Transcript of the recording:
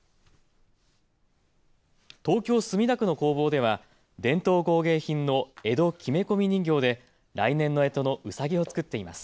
東京墨田区の工房では伝統工芸品の江戸木目込人形で来年のえとのうさぎを作っています。